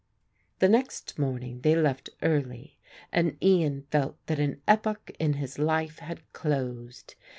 The next morning they left early and Ian felt that an epoch in his life had closed.